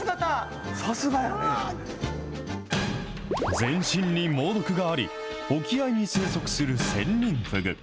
全身に猛毒があり、沖合に生息するセンニンフグ。